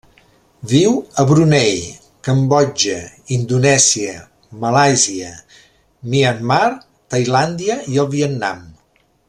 Viu a Brunei, Cambodja, Indonèsia, Malàisia, Myanmar, Tailàndia i el Vietnam.